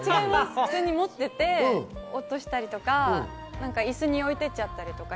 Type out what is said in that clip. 普通に持っていて落としたりとか、イスに置いてっちゃったりとか。